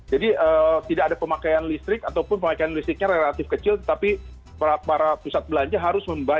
jadi tidak ada pemakaian listrik ataupun pemakaian listriknya relatif kecil tapi para pusat belanja harus membaiki